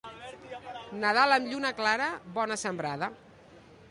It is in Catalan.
Nadal amb lluna clara, bona sembrada.